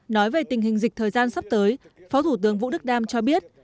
nói về tình hình dịch thời gian sắp tới phó thủ tướng vũ đức đam cho biết